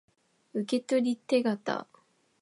受取手形